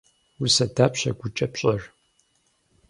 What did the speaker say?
Усэ дапщэ гукӏэ пщӏэр?